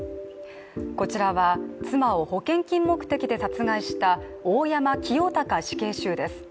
こちらは妻を保険金目的で殺害した大山清隆死刑囚です。